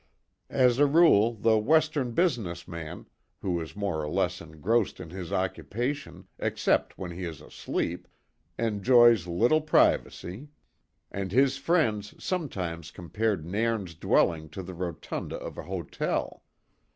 As a rule, the Western business man, who is more or less engrossed in his occupation, except when he is asleep, enjoys little privacy; and his friends sometimes compared Nairn's dwelling to the rotunda of an hotel.